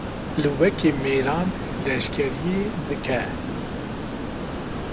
Lê wekî mêran leşkeriyê dike.